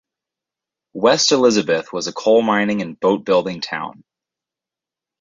West Elizabeth was a coal mining and boat-building town.